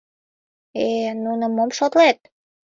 Э... нуным мом шотлет...